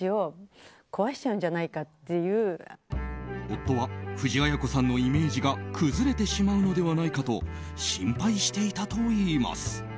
夫は藤あや子さんのイメージが崩れてしまうのではないかと心配していたといいます。